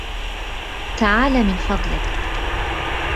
تعال من فضلك